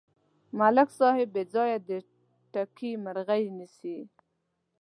ملک صاحب بېځایه د ټګۍ مرغۍ نیسي.